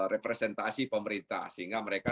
representasi pemerintah sehingga mereka